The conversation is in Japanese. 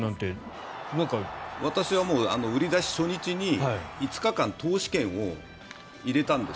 私は売り出し初日に５日間通し券を入れたんです。